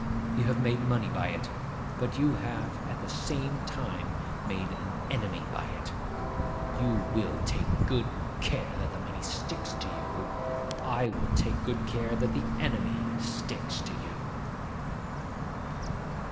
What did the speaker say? You have made money by it, but you have at the same time made an enemy by it. You will take good care that the money sticks to you; I will take good care that the enemy sticks to you.